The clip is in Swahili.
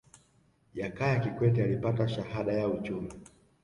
jakaya kikwete alipata shahada ya uchumi